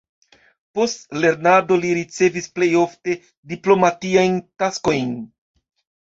Post lernado li ricevis plej ofte diplomatiajn taskojn.